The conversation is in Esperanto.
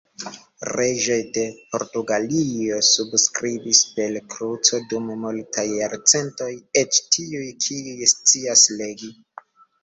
Reĝoj de Portugalio subskribis per kruco dum multaj jarcentoj, eĉ tiuj kiuj scias legi.